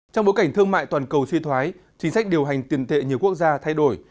trong bối cảnh thương mại toàn cầu suy thoái chính sách điều hành tiền tệ nhiều quốc gia thay đổi